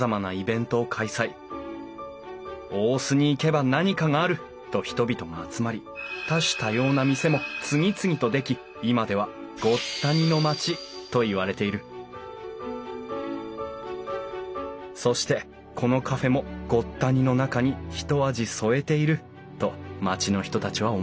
大須に行けば何かがあると人々が集まり多種多様な店も次々と出来今ではごった煮の町といわれているそしてこのカフェもごった煮の中にひと味添えていると町の人たちは思っている